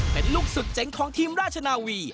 เป็นลูกสุดเจ๋งของทีมราชนาวี